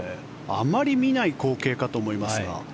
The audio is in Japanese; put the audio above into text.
あまり見ない光景かと思いますが。